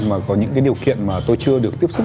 mà có những điều kiện tôi chưa được tiếp xúc